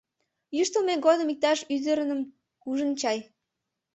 — Йӱштылмӧ годым иктаж ӱдырыным ужын чай.